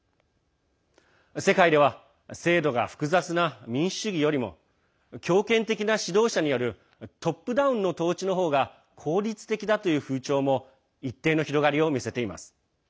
世界では、制度が複雑な民主主義よりも強権的な指導者によるトップダウンの統治の方が効率的だという風潮も一定の広がりを見せています。